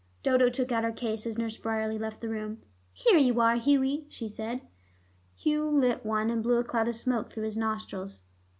Dodo took out her case as Nurse Bryerley left the room. "Here you are, Hughie," she said. Hugh lit one, and blew a cloud of smoke through his nostrils.